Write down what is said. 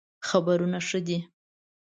خبرونه ښه دئ